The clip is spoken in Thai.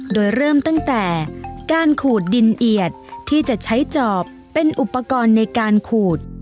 โดยเริ่มตั้งแต่การขูดดินเอียดที่จะใช้จอบเป็นอุปกรณ์ในการขูด